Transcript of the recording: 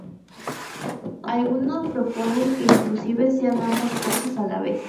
Algunos proponen que inclusive sean ambas cosas a la vez.